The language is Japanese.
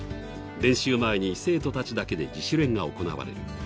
練習前に、生徒たちだけで自主練が行われる。